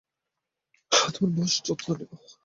আমরা তোমার বেশ যত্ন নেব।